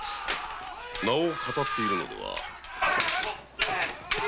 名をかたっているのでは？